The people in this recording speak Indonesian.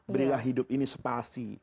berilah hidup ini spasi